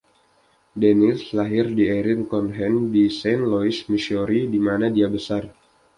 Daniels lahir di Erin Cohen di Saint Louis, Missouri, di mana dia besar.